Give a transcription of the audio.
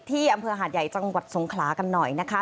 ที่อำเภอหาดใหญ่จังหวัดสงขลากันหน่อยนะคะ